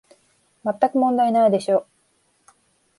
まったく問題ないでしょう